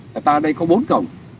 tại ta đây có bốn cổng